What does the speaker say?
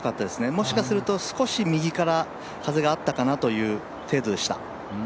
もしかすると少し右から風があったかなという程度でした。